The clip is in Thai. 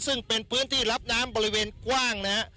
ซึ่งเป็นพื้นที่รับน้ำบริเวณกว้างนะฮะ